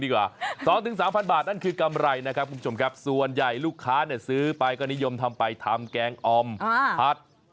อุ้ยอย่างนั้นก็เก็บออกไว้ทานเองดีกว่า